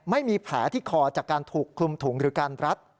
ไม่มีแผลที่คอจากการถูกคลุมถุงหรือการรัด